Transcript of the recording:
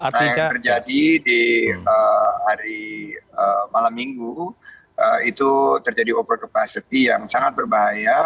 nah yang terjadi di hari malam minggu itu terjadi over capacity yang sangat berbahaya